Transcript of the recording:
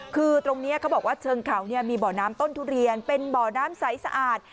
คือตรงนี้เขาบอกว่าเชิงเขามีบ่อน้ำต้นทุเรียนเป็นบ่อน้ำใสสะอาด